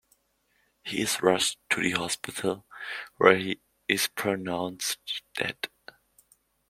He is rushed to the hospital, where he is pronounced dead.